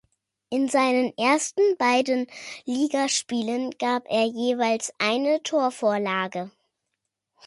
In seinen ersten beiden Ligaspielen gab er jeweils eine Torvorlage.